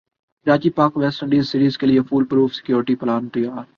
Karachi Pak West Indies series کیلئے foolproof security plan تیار